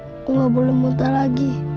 aku gak boleh muntah lagi